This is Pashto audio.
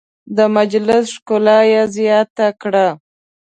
د مجلس ښکلا یې زیاته کړه.